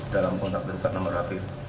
dalam kontak tergugat nomor hp